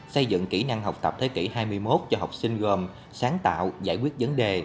xây dựng kỹ năng học tập thế kỷ hai mươi một cho học sinh gồm sáng tạo giải quyết vấn đề